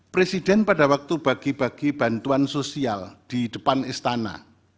presiden pada waktu bagi bagi bantuan sosial di depan istana